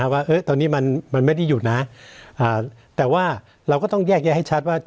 ว่าตอนนี้มันไม่ได้หยุดนะแต่ว่าเราก็ต้องแยกแยะให้ชัดว่า